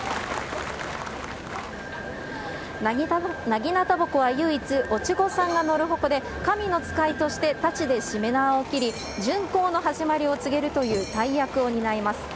なぎなた鉾は唯一お稚児さんが乗る鉾で、神の遣いとしてたちでしめ縄を切り、巡行の始まりを告げるという大役を担います。